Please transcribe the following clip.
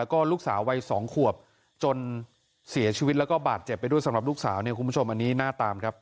คุณผู้ชมอันนี้หน้าตามครับ